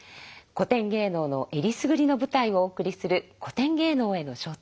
古典芸能の選りすぐりの舞台をお送りする「古典芸能への招待」。